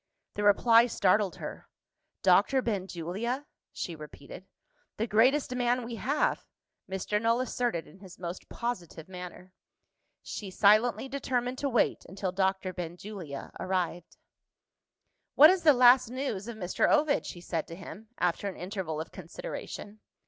The reply startled her. "Dr. Benjulia?" she repeated. "The greatest man we have!" Mr. Null asserted in his most positive manner. She silently determined to wait until Doctor Benjulia arrived. "What is the last news of Mr. Ovid?" she said to him, after an interval of consideration.